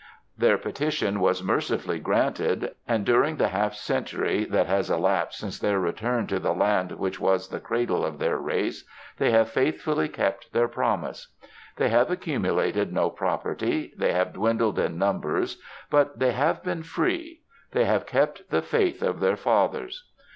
Their pe 70 THE MOUNTAINS tition was mercifully granted, and during the half century that has elapsed since their return to the land which was the cradle of their race, they have faithfully kept their promise. They have accumu lated no property, they have dwindled in numbers, but they have been free— they have kept the faith of their fathers.